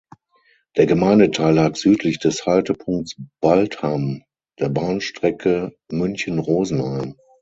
Der Gemeindeteil lag südlich des Haltepunkts Baldham der Bahnstrecke München–Rosenheim.